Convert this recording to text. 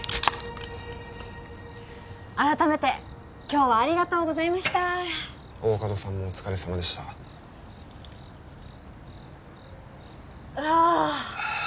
改めて今日はありがとうございました大加戸さんもお疲れさまでしたああっ！